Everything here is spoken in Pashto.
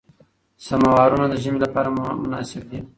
سمورونه د ژمي لپاره مناسب دي.